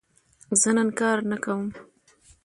زه نن کار نه کوم.